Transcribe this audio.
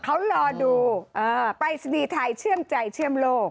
มาดูไปสนีไทยเชื่องใจเชื่อมโลก